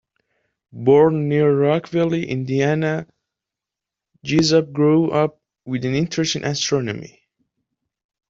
Born near Rockville, Indiana, Jessup grew up with an interest in astronomy.